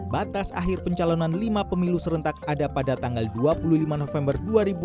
batas akhir pencalonan lima pemilu serentak ada pada tanggal dua puluh lima november dua ribu dua puluh